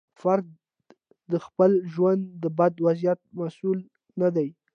فرد د خپل ژوند د بد وضعیت مسوول نه دی.